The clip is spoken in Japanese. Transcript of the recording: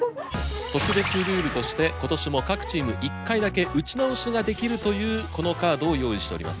特別ルールとして今年も各チーム１回だけ打ち直しができるというこのカードを用意しております。